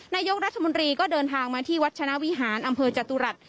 นายกรัฐมนตรีก็เดินทางมาที่วัชนะวิหารอำเภอจตุรัส